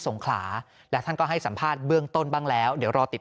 งขลาและท่านก็ให้สัมภาษณ์เบื้องต้นบ้างแล้วเดี๋ยวรอติด